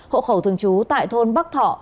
hộ khẩu thường trú tại thôn bắc thọ